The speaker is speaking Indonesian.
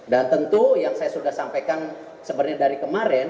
dan tentu yang saya sudah sampaikan sebenarnya dari kemarin